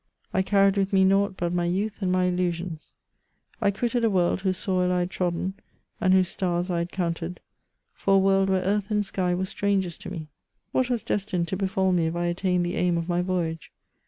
I carried with me nought but my youth and my illusions ; I quitted a world whose soil I had trodden, and whose stars I had counted, for a world where earth and sky were strangers to me. What was destined to befal me if I attained the aim of my Toyage